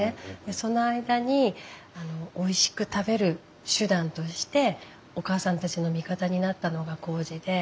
その間においしく食べる手段としておかあさんたちの味方になったのがこうじで。